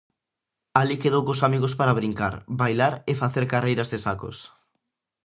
Alí quedou cos amigos para brincar, bailar e facer carreiras de sacos.